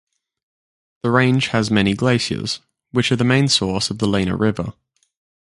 The range has many glaciers, which are the main source of the Lena River.